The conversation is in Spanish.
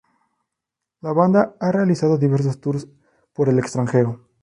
La banda ha realizado diversos "tours" por el extranjero.